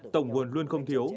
tổng nguồn luôn không thiếu